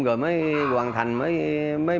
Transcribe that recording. rồi mới hoàn thành mới mua heo